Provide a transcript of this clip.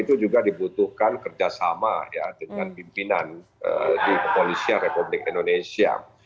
itu juga dibutuhkan kerjasama ya dengan pimpinan di kepolisian republik indonesia